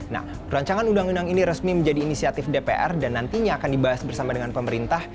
nah rancangan undang undang ini resmi menjadi inisiatif dpr dan nantinya akan dibahas bersama dengan pemerintah